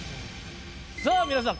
さあ皆さん